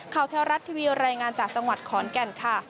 เทวรัฐทีวีรายงานจากจังหวัดขอนแก่นค่ะ